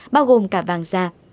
bao gồm cả vàng da